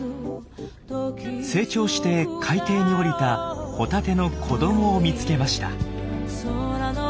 成長して海底に降りたホタテの子どもを見つけました。